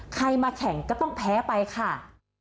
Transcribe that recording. ใครมาแข่งก็ต้องแพ้ไปค่ะ